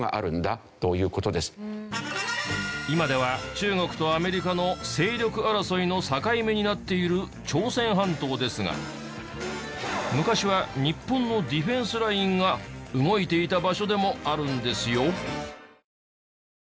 今では中国とアメリカの勢力争いの境目になっている朝鮮半島ですが昔は日本のディフェンスラインが動いていた場所でもあるんですよ。